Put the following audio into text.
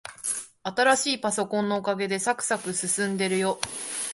新しいパソコンのおかげで、さくさく進んでるよ。